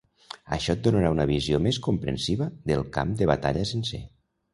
Això et donarà una visió més comprensiva del camp de batalla sencer.